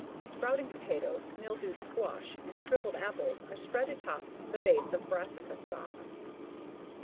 Sprouting potatoes, mildewed squash, and shriveled apples are spread atop the base of brassica stalks.